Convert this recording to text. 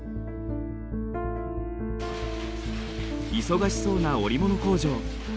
忙しそうな織物工場。